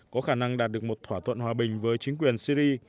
có khả năng đạt được một thỏa thuận hòa bình với chính quyền syri